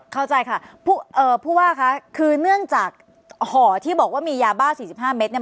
เข้าใจค่ะผู้ว่าคะคือเนื่องจากห่อที่บอกว่ามียาบ้า๔๕เมตรเนี่ย